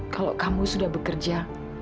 kalau kamu sudah bekerja